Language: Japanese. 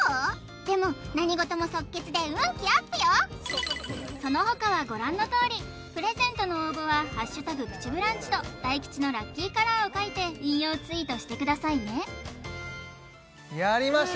でも何ごとも即決で運気アップよそのほかはご覧のとおりプレゼントの応募は「＃プチブランチ」と大吉のラッキーカラーを書いて引用ツイートしてくださいねやりました